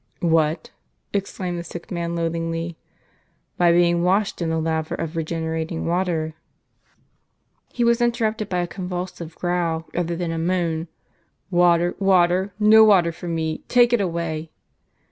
"What?" exclaimed the sick man loathingly. " By being washed in the laver of regenei'ating water." He was interrupted by a convulsive growl rather than a moan. "Water! water! no water forme! Take it away!"